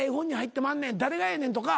「誰がやねん」とか。